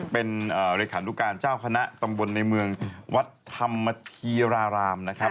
เป็นเลขานุการเจ้าคณะตำบลในเมืองวัดธรรมธีรารามนะครับ